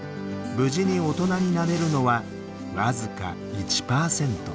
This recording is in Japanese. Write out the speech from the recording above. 無事に大人になれるのは僅か１％。